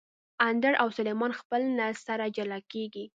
اندړ او سلیمان خېل نه سره جلاکیږي